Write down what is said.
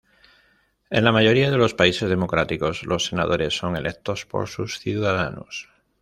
En la mayoría de los países democráticos, los senadores son electos por sus ciudadanos.